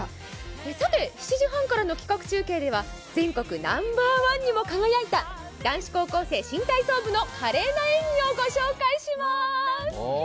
さて７時半からの企画中継では全国ナンバーワンにも輝いた男子高校生新体操部の華麗な演技をご紹介しまーす。